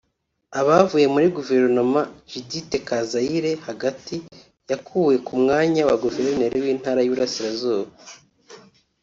Abavuye muri Guverinoma/Judith Kazayire (hagati) yakuwe ku mwanya wa Guverineri w’Intara y’Iburasirazuba